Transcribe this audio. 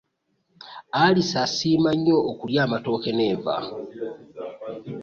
Alisi asiima nnyo okulya amatooke n'enva.